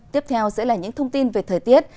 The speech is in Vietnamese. tiếp theo sẽ là những thông tin về thời tiết